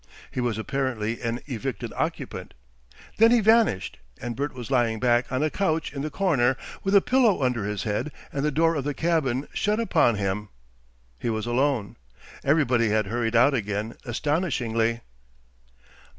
He was apparently an evicted occupant. Then he vanished, and Bert was lying back on a couch in the corner with a pillow under his head and the door of the cabin shut upon him. He was alone. Everybody had hurried out again astonishingly.